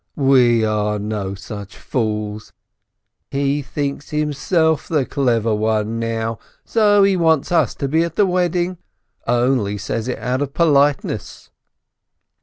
We are no such fools! He thinks himself the clever one now! So he wants us to be at the wedding? Only says it out of politeness."